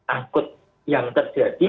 angkut yang terjadi